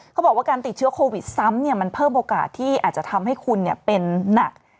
เขาบอกว่าการติดเชื้อโควิดซ้ำมันเพิ่มโอกาสที่อาจจะทำให้คุณเป็นหนัก